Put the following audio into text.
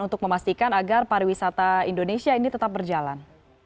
untuk memastikan agar pariwisata indonesia ini tetap berjalan